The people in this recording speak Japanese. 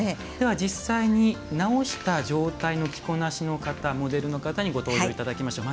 実際に、直した状態の着こなしの方モデルの方にご登場いただきましょう。